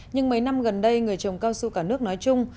nhưng mấy năm gần đây người trồng cao su cả nước nói chung